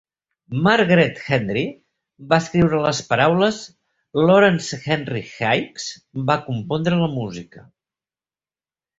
Margaret Hendrie va escriure les paraules; Laurence Henry Hicks va compondre la música.